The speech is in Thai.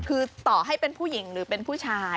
คือต่อให้เป็นผู้หญิงหรือเป็นผู้ชาย